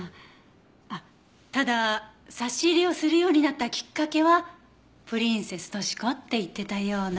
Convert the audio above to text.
あっただ差し入れをするようになったきっかけはプリンセストシコって言ってたような。